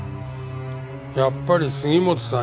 やっぱり杉本さん